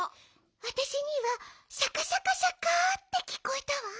わたしにはシャカシャカシャカってきこえたわ。